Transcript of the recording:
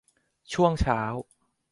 ช่วงเช้า